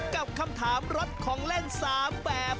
กับคำถามรถของเล่น๓แบบ